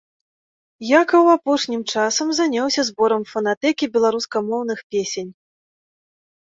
Якаў апошнім часам заняўся зборам фанатэкі беларускамоўных песень.